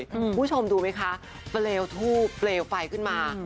คุณผู้ชมดูไหมคะเปลวทูบเปลวไฟขึ้นมา